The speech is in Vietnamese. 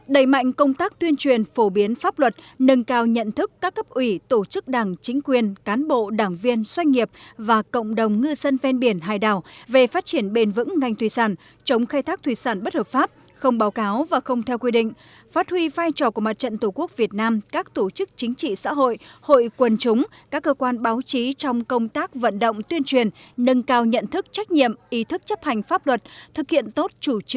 đẩy mạnh công tác tuyên truyền phổ biến pháp luật nâng cao nhận thức các cấp ủy tổ chức đảng chính quyền cán bộ đảng viên doanh nghiệp và cộng đồng ngư dân ven biển hải đảo về phát triển bền vững ngành thủy sản chống khai thác thủy sản bất hợp pháp không báo cáo và không theo quy định phát huy vai trò của mặt trận tổ quốc việt nam các tổ chức chính trị xã hội hội quân chúng các cơ quan báo chí trong công tác vận động tuyên truyền nâng cao nhận thức trách nhiệm ý thức chấp hành pháp luật thực hiện tốt